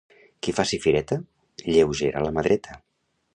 Qui faci fireta, lleugera la mà dreta.